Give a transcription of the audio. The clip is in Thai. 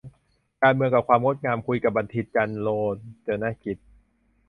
"การเมืองกับความงดงาม" คุยกับ บัณฑิต จันทร์โรจนกิจ